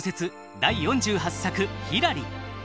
第４８作「ひらり」。